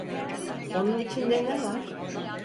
Onun içinde ne var?